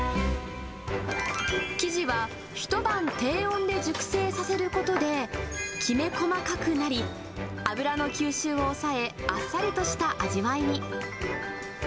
生地は、一晩低温で熟成させることで、きめ細かくなり、油の吸収を抑え、あっさりとした味わいに。